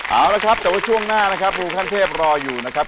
เอาละครับแต่ว่าช่วงหน้านะครับลุงขั้นเทพรออยู่นะครับ